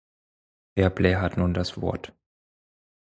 Herr Blair hat nun das Wort.